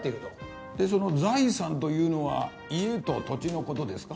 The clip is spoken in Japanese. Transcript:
でその財産というのは家と土地の事ですか？